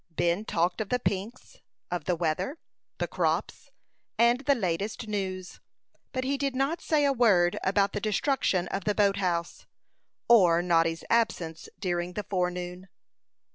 Ben talked of the pinks, of the weather, the crops, and the latest news; but he did not say a word about the destruction of the boat house, or Noddy's absence during the forenoon.